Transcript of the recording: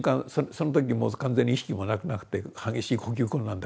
その時もう完全に意識もなくなって激しい呼吸困難であえいでたんです。